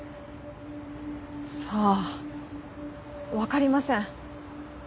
さあわかりません。